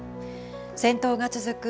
戦闘が続く